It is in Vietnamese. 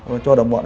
và cho đồng bọn